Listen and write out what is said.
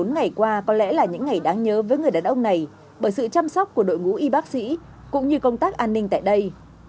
bốn ngày qua có lẽ là những ngày đáng nhớ với người đàn ông này bởi sự chăm sóc của đội ngũ y bác sĩ cũng như công tác an ninh tại đây